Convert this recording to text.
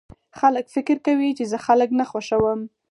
خلک فکر کوي چې زه خلک نه خوښوم